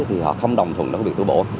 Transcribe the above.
thì họ không đồng thuận nó có việc tu bổ